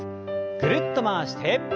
ぐるっと回して。